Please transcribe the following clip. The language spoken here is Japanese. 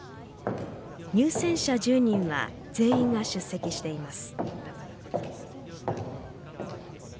入選者１０人は全員が出席しています。